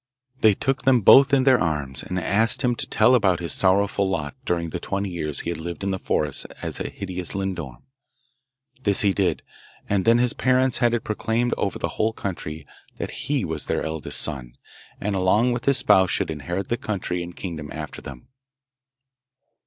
They took them both in their arms, and asked him to tell about his sorrowful lot during the twenty years he had lived in the forest as a hideous lindorm. This he did, and then his parents had it proclaimed over the whole country that he was their eldest son, and along with his spouse should inherit the country and kingdom after them.